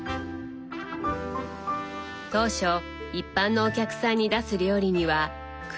当初一般のお客さんに出す料理には苦労したそう。